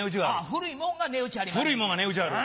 古いもんが値打ちある。